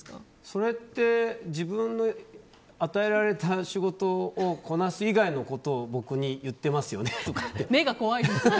それって自分の与えられた仕事をこなす以外のことを僕に言ってますよねって。